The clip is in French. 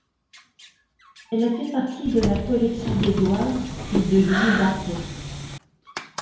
Elle a fait partie de la collection d'Édouard puis de Louis Lartet.